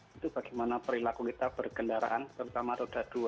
itu bagaimana perilaku kita berkendaraan terutama roda dua